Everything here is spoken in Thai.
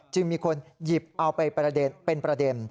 จึงมีคนหยิบเอาไปเป็นประเด็น